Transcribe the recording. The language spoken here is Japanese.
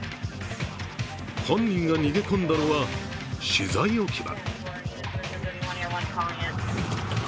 犯人が逃げ込んだのは資材置き場。